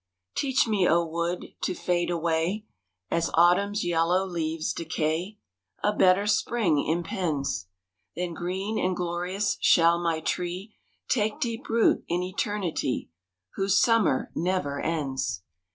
_ Teach me, O wood, to fade away, As autumn's yellow leaves decay A better spring impends, Then green and glorious shall my tree Take deep root in eternity, Whose summer never ends!